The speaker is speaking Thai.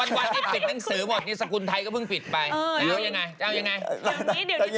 ไม่วันที่ปิดหนังสือหมดนี่สกุลไทยก็เพิ่งปิดไปจะเอายังไง